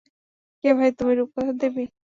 কে ভাই তুমি, রূপকথার দেবী?